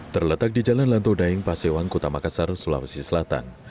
terletak di jalan lantu daeng pasewan kota makassar sulawesi selatan